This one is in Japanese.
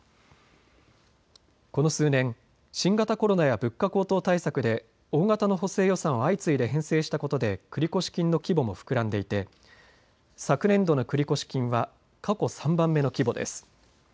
この数年、新型コロナや物価高騰対策で大型の補正予算を相次いで編成したことで繰越金の規模も膨らんでいて昨年度の繰越金は過去３番目の規模です。